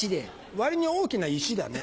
割に大きな石だね。